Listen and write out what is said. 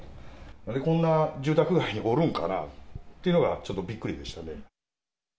なんでこんな住宅街におるんかなというのが、ちょっとびっくりでしたね。